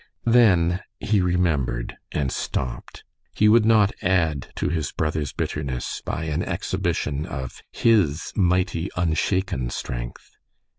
Then he remembered, and stopped. He would not add to his brother's bitterness by an exhibition of his mighty, unshaken strength.